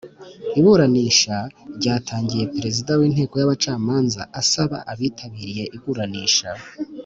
Iburanisha ryatangiye perezida w’Inteko y’abacamanza asaba abitabiriye iburanisha